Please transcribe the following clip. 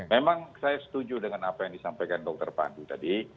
memang saya setuju dengan apa yang disampaikan dr pandu tadi